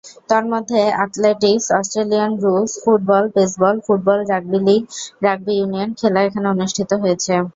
তন্মধ্যে athletics, Australian rules football, baseball, football, rugby league, rugby union খেলা এখানে অনুষ্ঠিত হয়েছে।